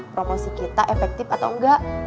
promosi kita efektif atau enggak